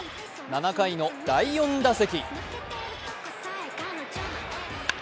７回の第４打席。